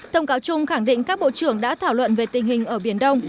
thông cáo chung khẳng định các bộ trưởng đã thảo luận về tình hình ở biển đông